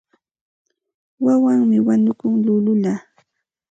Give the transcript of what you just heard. Wawanmi wañukun llullulla.